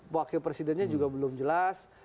wakil presidennya juga belum jelas